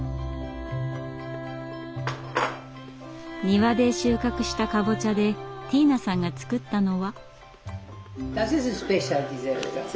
庭で収穫したカボチャでティーナさんが作ったのは。